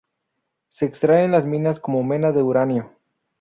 Se extrae en las minas como mena de uranio.